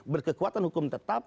berkekuatan hukum tetap